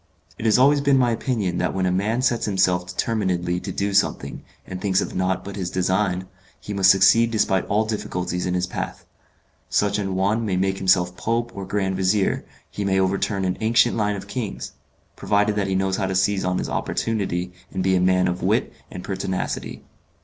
It has always been my opinion that when a man sets himself determinedly to do something, and thinks of nought but his design, he must succeed despite all difficulties in his path: such an one may make himself Pope or Grand Vizier, he may overturn an ancient line of kings provided that he knows how to seize on his opportunity, and be a man of wit and pertinacity.